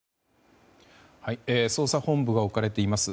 捜査本部が置かれています